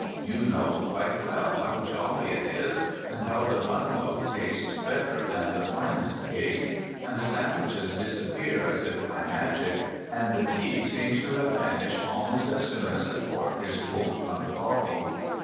You know quite well how jolly it is, and how the bun loaf tastes better than the finest cake, and the sandwiches disappear as if by magic, and the tea seems to have vanished almost as soon as the cork is pulled from the bottle.